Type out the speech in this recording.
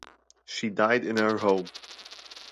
She died in her home.